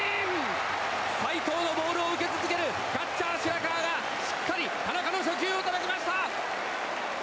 斎藤のボールを受け続けるキャッチャーがしっかり田中の初球をたたきました！